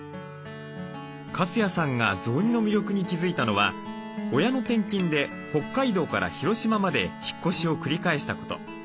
粕谷さんが雑煮の魅力に気付いたのは親の転勤で北海道から広島まで引っ越しを繰り返したこと。